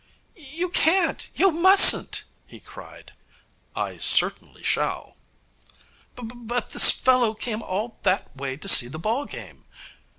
'You can't! You mustn't!' he cried. 'I certainly shall.' 'But but this fellow came all that way to see the ball game.'